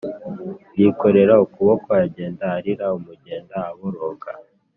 yikorera ukuboko, agenda arira umugenda aboroga.